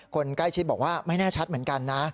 คนใกล้ชิดบอกว่าไม่แน่ชัดเหมือนกันนะ